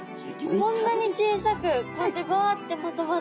こんなに小さくこうやってバッてまとまって。